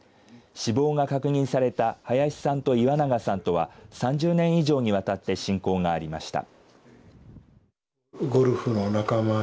死亡が確認された林さんと岩永さんとは３０年以上にわたって親交がありました。